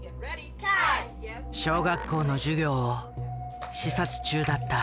小学校の授業を視察中だった。